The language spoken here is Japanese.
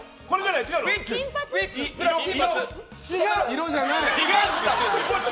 色じゃない。